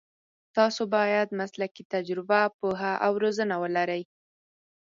تاسو باید مسلکي تجربه، پوهه او روزنه ولرئ.